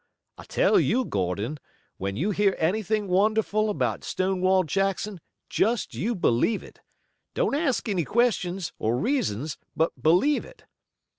I tell you, Gordon, when you hear anything wonderful about Stonewall Jackson just you believe it. Don't ask any questions, or reasons but believe it."